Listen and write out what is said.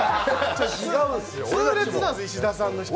痛烈なんです、石田さんのひと言は。